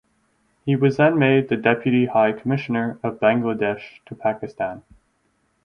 He was then made the Deputy High Commissioner of Bangladesh to Pakistan.